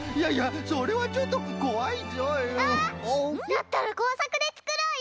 だったらこうさくでつくろうよ！